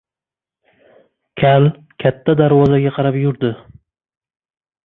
Kal katta darvozaga qarab yurdi.